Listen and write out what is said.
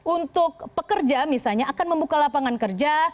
untuk pekerja misalnya akan membuka lapangan kerja